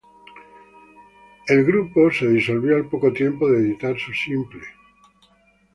El grupo se disolvió al poco tiempo de editar su simple.